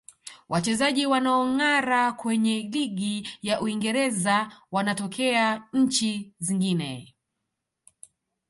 wachezaji wanaongara kwenye ligi ya uingereza wanatokea nchi zingne